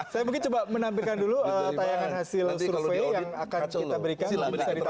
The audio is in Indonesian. saya mungkin coba menampilkan dulu tayangan hasil survei yang akan kita berikan